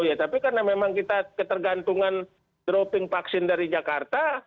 ya tapi karena memang kita ketergantungan dropping vaksin dari jakarta